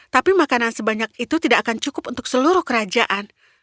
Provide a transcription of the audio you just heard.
tapi makanan sebanyak itu tidak akan cukup untuk seluruh kerajaan